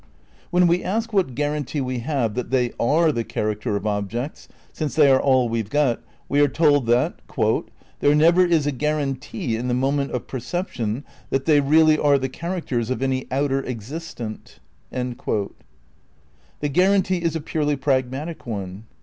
When we ask what guarantee we have that they are the character of objects, since they are all we've got, we are told that "There never is a guaranty in the moment of perception that they really are the characters of any outer existent." The guarantee is a purely pragmatic one.